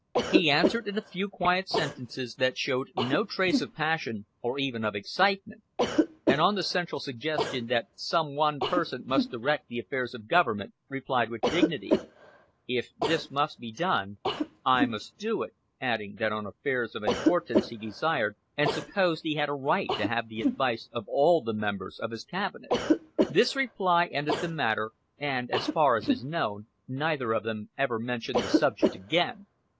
He answered in a few quiet sentences that showed no trace of passion or even of excitement; and on the central suggestion that some one person must direct the affairs of the government, replied with dignity "if this must be done, I must do it," adding that on affairs of importance he desired and supposed he had a right to have the advice of all the members of his cabinet. This reply ended the matter, and as far as is known, neither of them ever mentioned the subject again.